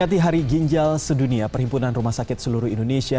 ketika hari ginjal sedunia perhimpunan rumah sakit seluruh indonesia